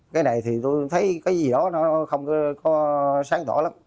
cái này thì tôi thấy cái gì đó nó không có sáng tỏa lắm